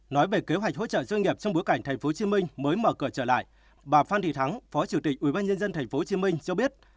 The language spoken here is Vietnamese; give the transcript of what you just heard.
nói về kế hoạch hỗ trợ doanh nghiệp trong bối cảnh tp hcm mới mở cửa trở lại bà phan thị thắng phó chủ tịch ubnd tp hcm cho biết